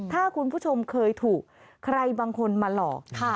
ถ้าคุณผู้ชมเคยถูกใครบางคนมาหลอก